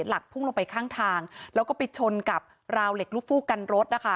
แล้วก็ไปชนกับราวเหล็กรูปฟู้กันรถนะคะ